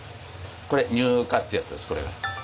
これ乳化ってやつです。